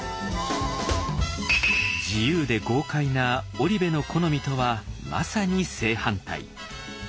自由で豪快な織部の好みとはまさに正反対。